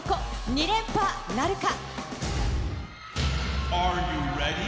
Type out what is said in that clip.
２連覇なるか。